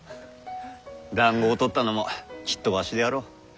だんごをとったのもきっとわしであろう。